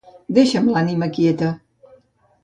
Deixa'm l'ànima quieta.